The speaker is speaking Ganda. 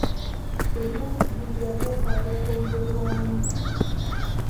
Ebyenjigiriza byetaaga kwongerwamu.